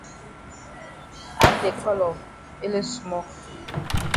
Add de colour ele small.